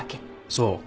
そう。